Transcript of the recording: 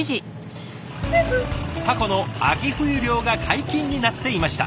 タコの秋冬漁が解禁になっていました。